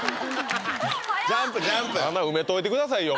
穴埋めといてくださいよ